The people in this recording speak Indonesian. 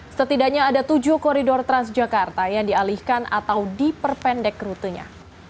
setidaknya ada tujuh koridor transjakarta yang dialihkan atau diperpendek rutenya